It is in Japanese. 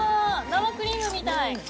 生クリームみたい！